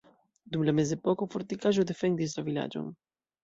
Dum la mezepoko fortikaĵo defendis la vilaĝon.